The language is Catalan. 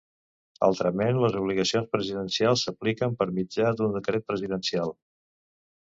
Altrament, les obligacions presidencials s'apliquen per mitjà d'un decret presidencial.